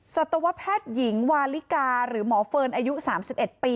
สัตวแพทย์หญิงวาลิกาหรือหมอเฟิร์นอายุ๓๑ปี